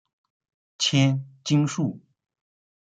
千筋树